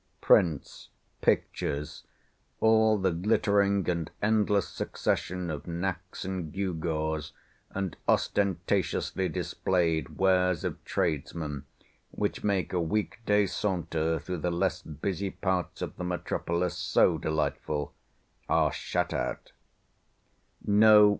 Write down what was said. Prints, pictures, all the glittering and endless succession of knacks and gewgaws, and ostentatiously displayed wares of tradesmen, which make a week day saunter through the less busy parts of the metropolis so delightful—are shut out.